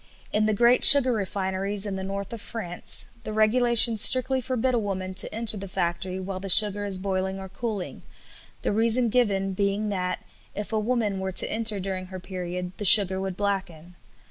In the great sugar refineries in the North of France the regulations strictly forbid a woman to enter the factory while the sugar is boiling or cooling, the reason given being that, if a woman were to enter during her period, the sugar would blacken.